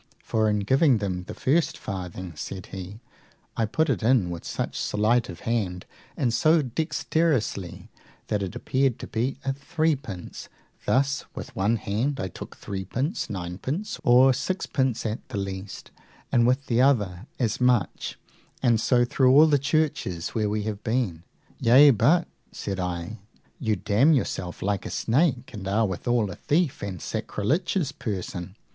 For in giving them the first farthing, said he, I put it in with such sleight of hand and so dexterously that it appeared to be a threepence; thus with one hand I took threepence, ninepence, or sixpence at the least, and with the other as much, and so through all the churches where we have been. Yea but, said I, you damn yourself like a snake, and are withal a thief and sacrilegious person.